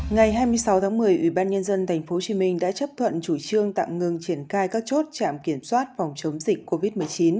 ngày hai mươi sáu tháng một mươi ủy ban nhân dân tp hcm đã chấp thuận chủ trương tạm ngưng triển khai các chốt trạm kiểm soát phòng chống dịch covid một mươi chín